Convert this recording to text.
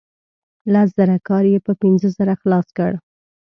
لس زره کار یې په پنځه زره خلاص کړ.